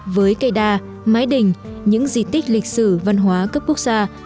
với cây đa mái đình những di tích lịch sử văn hóa cấp quốc gia